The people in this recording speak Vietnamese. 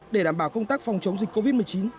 để đảm bảo công tác phòng chống dịch covid một mươi chín